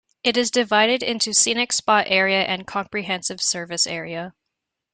It is divided into Scenic Spot Area and Comprehensive Service Area.